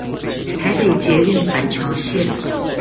台北捷運板橋線